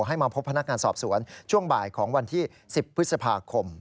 ให้มาพบพนักงานสอบสวนช่วงบ่ายของวันที่๑๐พฤษภาคม